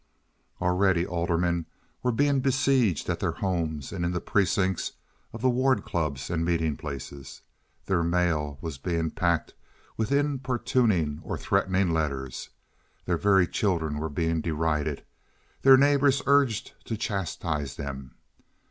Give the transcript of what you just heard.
Already aldermen were being besieged at their homes and in the precincts of the ward clubs and meeting places. Their mail was being packed with importuning or threatening letters. Their very children were being derided, their neighbors urged to chastise them.